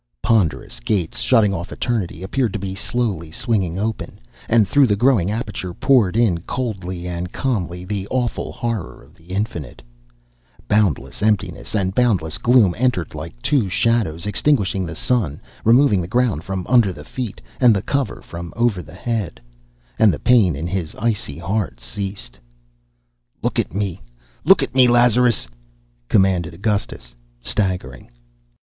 Ponderous gates, shutting off eternity, appeared to be slowly swinging open, and through the growing aperture poured in, coldly and calmly, the awful horror of the Infinite. Boundless Emptiness and Boundless Gloom entered like two shadows, extinguishing the sun, removing the ground from under the feet, and the cover from over the head. And the pain in his icy heart ceased. "Look at me, look at me, Lazarus!" commanded Augustus, staggering...